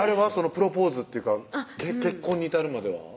プロポーズっていうか結婚に至るまでは？